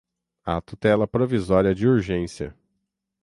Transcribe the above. à tutela provisória de urgência